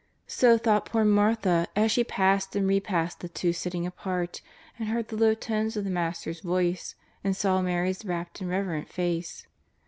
So thought poor Martha as she passed and repassed the two sitting apart, and heard the low tones of the Master's voice, and saw Mary's rapt and reverent face.